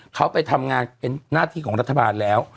เขาไปทำงานเป็นหน้าที่ของรัฐบาลแล้ว